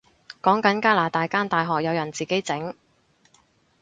講緊加拿大間大學有人自己整